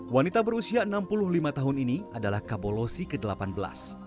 wanita berusia enam puluh lima tahun ini adalah kabolosi ke delapan belas